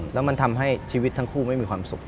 แล้วมันทำให้ชีวิตทั้งคู่ไม่มีความสุข